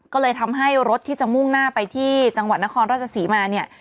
ก็เลยทำให้รถที่จะมุ่งหน้าไปที่จังหวัดนครราชศรีมาเนี่ย